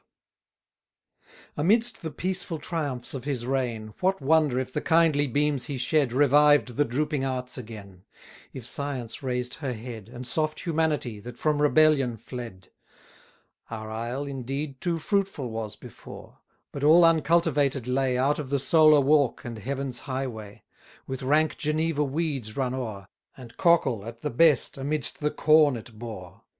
Amidst the peaceful triumphs of his reign, What wonder if the kindly beams he shed Revived the drooping Arts again; If Science raised her head, And soft Humanity, that from rebellion fled! Our isle, indeed, too fruitful was before; But all uncultivated lay Out of the solar walk and Heaven's highway; With rank Geneva weeds run o'er, And cockle, at the best, amidst the corn it bore.